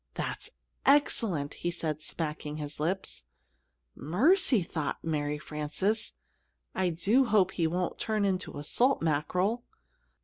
"That's excellent," he said, smacking his lips. "Mercy," thought Mary Frances, "I do hope he won't turn into a salt mackerel."